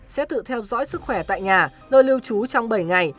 sẽ tự theo dõi sức khỏe tại nhà nơi lưu trú trong bảy ngày